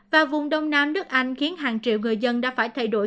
và vùng đông nam nước anh khiến hàng triệu người dân đã phải thay đổi